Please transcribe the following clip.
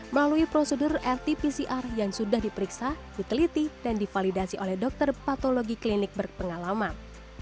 melalui prosedur rt pcr yang sudah diperiksa diteliti dan divalidasi oleh dokter patologi klinik berpengalaman